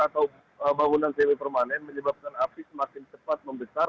atau bangunan vw permanen menyebabkan api semakin cepat membesar